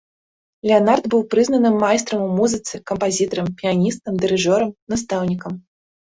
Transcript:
Леанард быў прызнаным майстрам у музыцы, кампазітарам, піяністам, дырыжорам, настаўнікам.